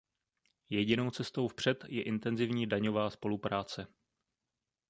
Jedinou cestou vpřed je intenzivní daňová spolupráce.